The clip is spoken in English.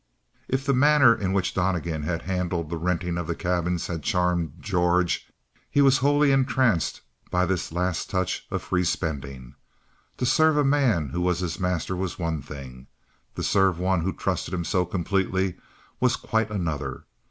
If the manner in which Donnegan had handled the renting of the cabins had charmed George, he was wholly entranced by this last touch of free spending. To serve a man who was his master was one thing; to serve one who trusted him so completely was quite another.